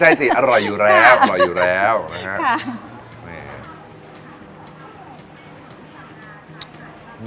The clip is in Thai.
ใช่ไม่ใช่สิอร่อยอยู่แล้วอร่อยอยู่แล้วนะคะ